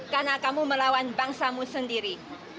karena kamu melawan bangsamu sendiri